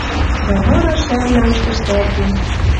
Дӓ мыры шӓрлӓ уж тӹштӓкен.